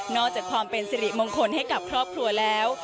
จากความเป็นสิริมงคลให้กับครอบครัวแล้ว